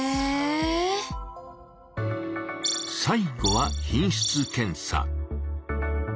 最後は「品質検査」。